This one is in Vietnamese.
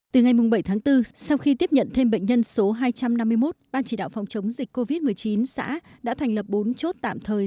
từ ngày bảy tháng bốn sau khi tiếp nhận thêm bệnh nhân số hai trăm năm mươi một ban chỉ đạo phòng chống dịch covid một mươi chín xã đã thành lập bốn chốt tạm thời